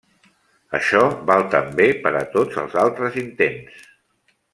Això val també per a tots els altres intents.